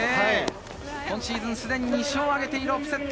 今シーズン、すでに２勝を挙げているオプセット。